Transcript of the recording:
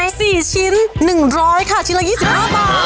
อันในรอย๔ชิ้น๑๐๐ค่ะชิ้นละ๒๕บาท